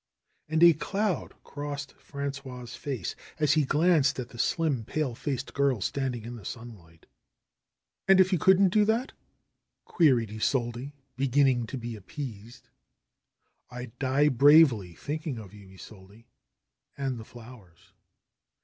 And a cloud crossed Frangois' face as he glanced at the slim, pale faced girl standing in the sunlight. "And if you couldn't do that?" queried Isolde, begin ning to be appeased. "I'd die bravely, thinking of you, Isolde, and the flowers."